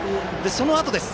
そのあとです。